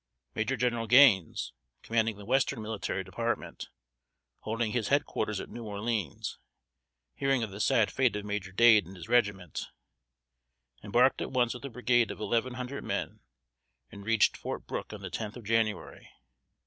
Major General Gaines, commanding the western military department, holding his head quarters at New Orleans, hearing of the sad fate of Major Dade and his regiment, embarked at once with a brigade of eleven hundred men, and reached "Fort Brooke" on the tenth of January.